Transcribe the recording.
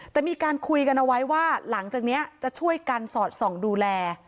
แต่มีการคุยกันเอาไว้ว่าหลังจากนี้จะช่วยกันสอดส่องดูแล